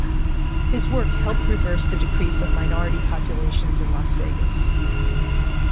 His work helped reverse the decrease of minority populations in Las Vegas.